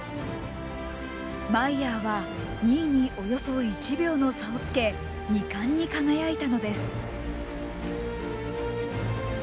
マイヤーは２位におよそ１秒の差をつけ２冠に輝いたのです。